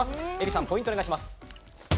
Ｅｒｉさんポイントをお願いします。